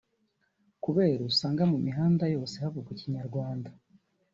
kubera usanga mu mihanda yose havugwa Ikinyarwanda